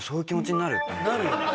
なるよね？